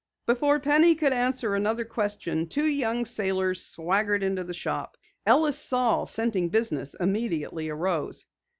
Before Penny could ask another question, two young sailors swaggered into the shop. Ellis Saal, scenting business, immediately arose.